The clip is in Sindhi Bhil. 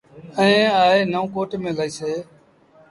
ائيٚݩ آئي نئون ڪوٽ ميݩ لهيٚسي۔